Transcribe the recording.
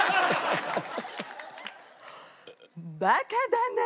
バカだな！